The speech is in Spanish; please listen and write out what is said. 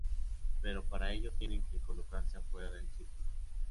Pero para ello tienen que colocarse afuera del círculo.